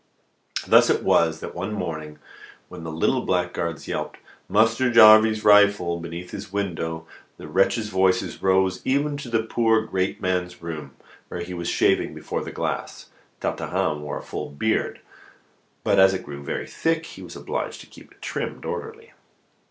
Thus it was that one morning, when the little blackguards yelped "Muster Jarvey's Roifle" beneath his window, the wretches' voices rose even into the poor great man's room, where he was shaving before the glass. (Tartarin wore a full beard, but as it grew very thick, he was obliged to keep it trimmed orderly.)